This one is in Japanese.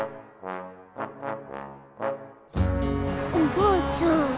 おばあちゃん